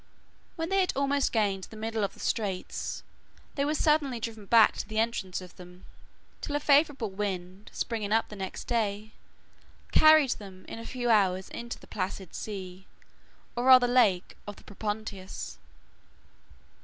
When they had almost gained the middle of the Straits, they were suddenly driven back to the entrance of them; till a favorable wind, springing up the next day, carried them in a few hours into the placid sea, or rather lake, of the Propontis.